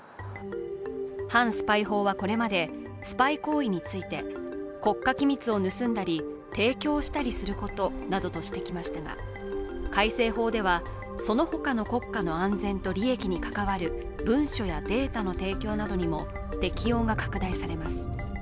反スパイ法はこれまでスパイ行為について、国家機密を盗んだり提供したりすることなどとしてきましたが、改正法では、その他の国家の安全と利益に関わる文書やデータの提供などにも適用が拡大されます。